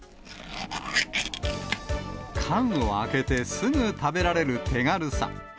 缶を開けてすぐ食べられる手軽さ。